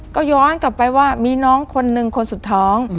ก็ย้อนกลับไปว่ามีน้องคนหนึ่งคนสุดท้อง